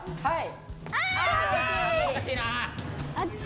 はい！